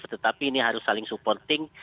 tetapi ini harus saling supporting